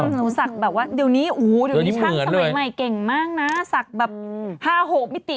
หนูศักดิ์แบบว่าเดี๋ยวนี้เดี๋ยวนี้ช่างสมัยใหม่เก่งมากนะศักดิ์แบบ๕๖มิติ